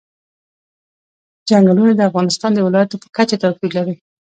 چنګلونه د افغانستان د ولایاتو په کچه توپیر لري.